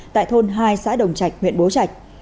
tại thôn hai xã đồng trạch huyện bố trạch